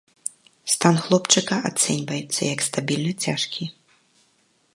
Стан хлопчыка ацэньваецца як стабільна цяжкі.